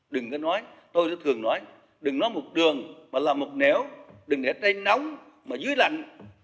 đừng có nói tôi đã thường nói đừng nói một đường mà là một nẻo đừng để tay nóng mà dưới lạnh